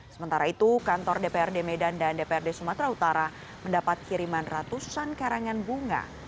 sementara itu kantor dprd medan dan dprd sumatera utara mendapat kiriman ratusan karangan bunga